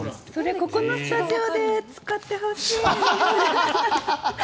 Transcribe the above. それ、ここのスタジオで使ってほしいな。